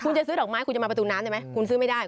คุณจะซื้อดอกไม้คุณจะมาประตูน้ำได้ไหมคุณซื้อไม่ได้